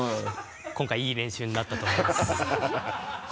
今回いい練習になったと思いますハハハ